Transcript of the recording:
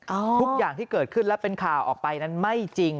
ทุกอย่างที่เกิดขึ้นและเป็นข่าวออกไปนั้นไม่จริง